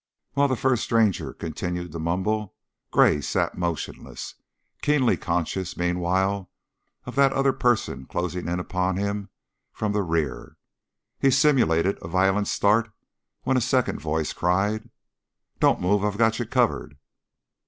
While the first stranger continued to mumble, Gray sat motionless, keenly conscious, meanwhile, of that other presence closing in upon him from the rear. He simulated a violent start when a second voice cried: "Don't move. I've got you covered."